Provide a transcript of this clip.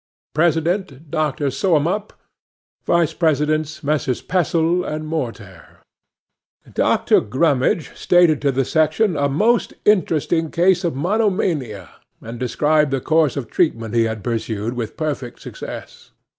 President—Dr. Soemup. Vice Presidents—Messrs. Pessell and Mortair. 'DR. GRUMMIDGE stated to the section a most interesting case of monomania, and described the course of treatment he had pursued with perfect success.